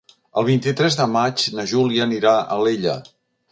El vint-i-tres de maig na Júlia anirà a Alella.